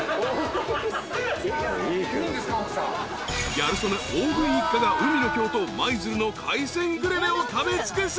［ギャル曽根大食い一家が海の京都舞鶴の海鮮グルメを食べ尽くす］